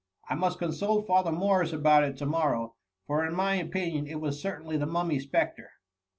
^I must. consult Father Morris about it to morrow, for in my opinion it was certainly the Mummy spectre.''